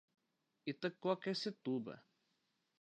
Itaquaquecetuba